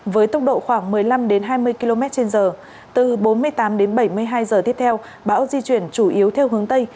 với tốc độ khoảng một mươi năm hai mươi km trên giờ từ bốn mươi tám đến bảy mươi hai giờ tiếp theo bão di chuyển chủ yếu theo hướng tây